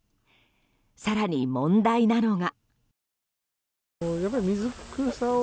更に問題なのが。